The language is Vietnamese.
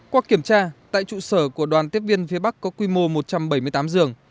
qua kiểm tra tại trụ sở của đoàn tiếp viên phía bắc có quy mô một trăm bảy mươi tám giường